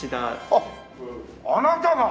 あっあなたが？